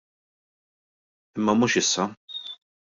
Imma mhux issa.